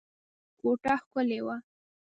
کوټه ښکلې وه.